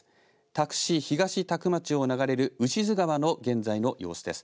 多久市東多久町を流れる牛津川の現在の様子です。